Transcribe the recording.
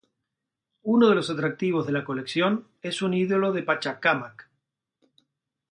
Uno de los atractivos de la colección es un ídolo de Pachacámac.